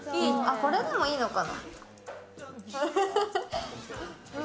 これでもいいのかな。